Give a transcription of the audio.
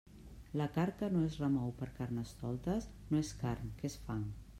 La carn que no es remou per Carnestoltes no és carn, que és fang.